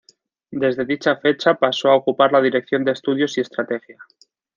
Desde dicha fecha pasó a ocupar la Dirección de Estudios y estrategia.